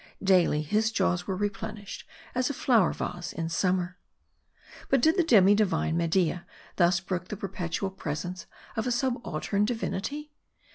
Daily, his jaws are replenished, as a flower vase in summer. But did the demi divine Media thus brook the perpetual presence of a subaltern divinity